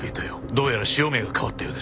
どうやら潮目が変わったようです。